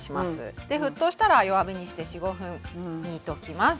で沸騰したら弱火にして４５分煮ときます。